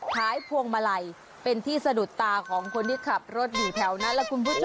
พวงมาลัยเป็นที่สะดุดตาของคนที่ขับรถอยู่แถวนั้นล่ะคุณผู้ชม